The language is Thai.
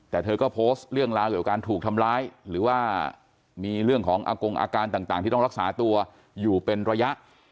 แต่เธอก็โพสต์เรื่องราวเกี่ยวกับการถูกทำร้ายหรือว่ามีเรื่องของอากงอาการต่างที่ต้องรักษาตัวอยู่เป็นระยะ